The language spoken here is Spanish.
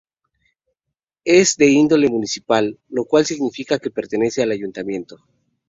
Es de índole Municipal, lo cual significa que pertenece al ayuntamiento.